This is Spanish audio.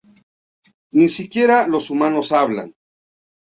Ni siquiera los humanos hablan.